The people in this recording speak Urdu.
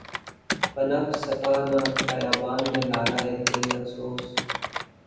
پنپ سکا نہ خیاباں میں لالۂ دل سوز